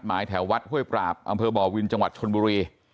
แถววัดห้วยปราบอำเภอบ่อวินจังหวัดชนบุรี